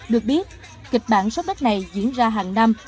được biết kịch bản sốc đất này diễn ra hàng năm